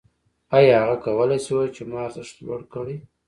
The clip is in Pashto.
آیا هغه کولی شي ووايي چې ما ارزښت لوړ کړی